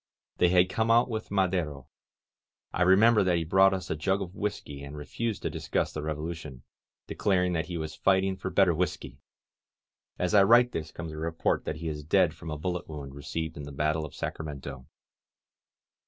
They had come out with Ma dero. ••• I remember that he brought us a jug of whisky, and refused to discuss the Revolution, declar ing that he was fighting for better whisky ! As I write this comes a report that he is dead from a bullet wound received in the battle of Sacramento.